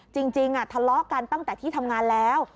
จริงทะเลาะกันตั้งแต่ที่ทำงานแล้ว